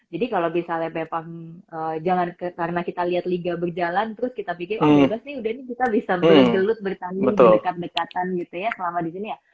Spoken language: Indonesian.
jadi kalau misalnya memang jangan karena kita lihat liga berjalan terus kita pikir oh bebas nih udah nih kita bisa bergelut bertanding dekat dekatan gitu ya selama di sini ya